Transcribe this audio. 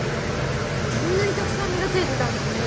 こんなにたくさん実がついてたんですね。